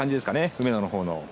梅野のほうの。